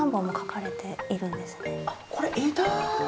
あっこれ枝？